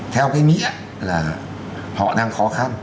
theo cái nghĩa là họ đang khó khăn